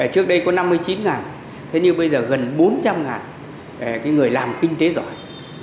trước đây có năm mươi chín thế nhưng bây giờ gần bốn trăm linh người làm kinh tế giỏi